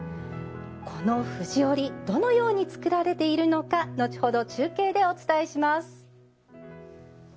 この藤織りどのように作られているのか後ほど中継でお伝えします。